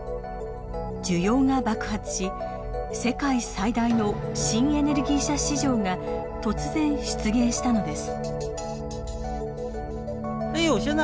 需要が爆発し世界最大の新エネルギー車市場が突然出現したのです。